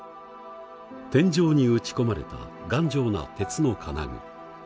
天井に打ち込まれた頑丈な鉄の金具。